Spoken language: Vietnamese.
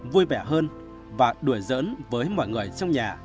vui vẻ hơn và đuổi giỡn với mọi người trong nhà